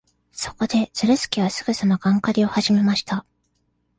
そこで、ズルスケはすぐさまガン狩りをはじめました。